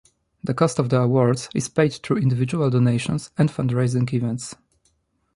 The cost of the awards is paid through individual donations and fundraising events.